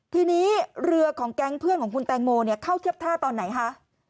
ทีนี้เรือของแก๊งเพื่อนของคุณแตงโมเข้าเทียบท่าตอนไหนคะ